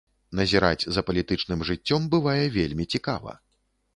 Назіраць за палітычным жыццём бывае вельмі цікава.